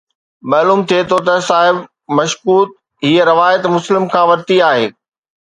معلوم ٿئي ٿو ته صاحب مشڪوت هيءَ روايت مسلم کان ورتي آهي